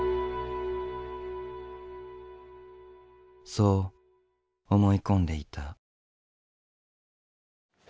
そう思い込んでいた。